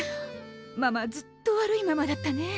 ママずっと悪いママだったね。